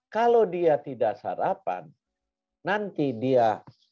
kalau dia tidak sarapan nanti dia